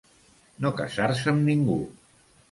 No casar-se amb ningú.